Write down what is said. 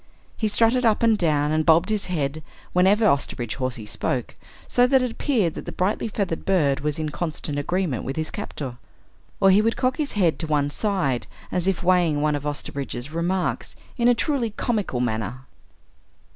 He strutted up and down, and bobbed his head whenever Osterbridge Hawsey spoke, so that it appeared that the brightly feathered bird was in constant agreement with his captor. Or he would cock his head to one side as if weighing one of Osterbridge's remarks, in a truly comical manner.